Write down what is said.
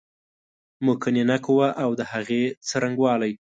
مقننه قوه اود هغې څرنګوالی